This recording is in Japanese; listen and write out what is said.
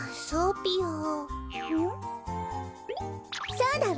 そうだわ！